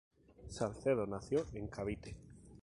Salcedo nació en Cavite.